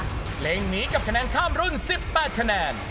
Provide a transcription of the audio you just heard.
กับคะแนนข้ามรุ่น๑๘คะแนน